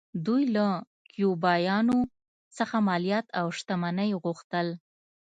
دوی له کیوبایانو څخه مالیات او شتمنۍ غوښتل